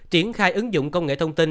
triển khai ứng dụng công nghệ thông tin